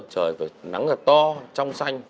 trời phải nắng là to trong xanh